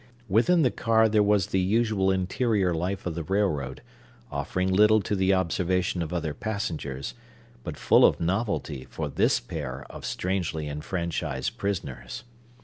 Within the car there was the usual interior life of the railroad, offering little to the observation of other passengers, but full of novelty for this pair of strangely enfranchised prisoners.